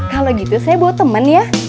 kalau gitu saya bawa temen ya